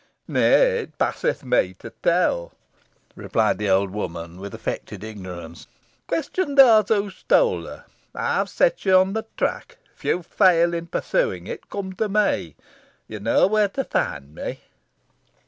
"Nay, it passeth me to tell," replied the old woman with affected ignorance. "Question those who stole her. I have set you on the track. If you fail in pursuing it, come to me. You know where to find me."